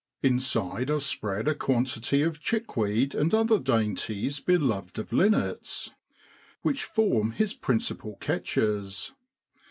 Inside are spread a quantity of chickweed and other dainties beloved of linnets, which form his principal catches.